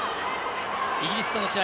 イギリスとの試合。